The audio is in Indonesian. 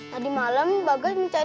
tadi malem bagas mencari